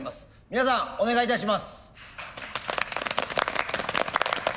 皆さんお願いいたします。